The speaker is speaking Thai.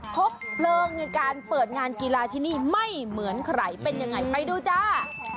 พบเพลิงในการเปิดงานกีฬาที่นี่ไม่เหมือนใครเป็นยังไงไปดูจ้า